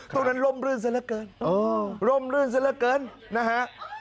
ตรงนั้นร่มรื่นซะละเกินร่มรื่นซะละเกินนะฮะ